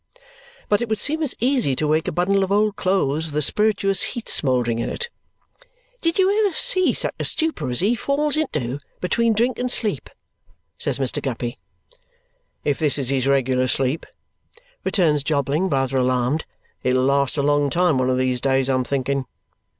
But it would seem as easy to wake a bundle of old clothes with a spirituous heat smouldering in it. "Did you ever see such a stupor as he falls into, between drink and sleep?" says Mr. Guppy. "If this is his regular sleep," returns Jobling, rather alarmed, "it'll last a long time one of these days, I am thinking."